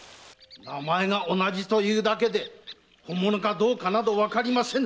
名前が同じというだけで本物かどうかわかりませぬ。